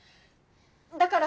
だから。